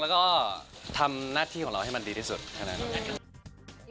แล้วก็ทำหน้าที่ของเราให้มันดีที่สุดแค่นั้น